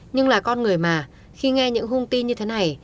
nhưng là con người mà khi nghe những hung tin như thế này